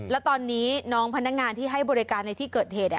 แล้วตอนนี้น้องพนักงานที่ให้บริการในที่เกิดเหตุ